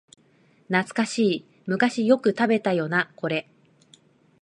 懐かしい、昔よく食べたよなこれ